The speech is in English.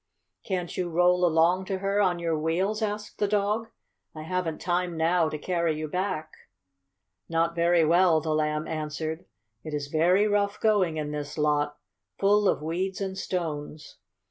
"Can't you roll along to her on your wheels?" asked the dog. "I haven't time now to carry you back." "Not very well," the Lamb answered. "It is very rough going in this lot, full of weeds and stones.